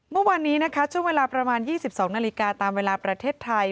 เมื่อวานนี้นะคะช่วงเวลาประมาณ๒๒นาฬิกาตามเวลาประเทศไทย